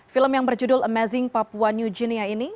film yang berjudul amazing papua new guinea ini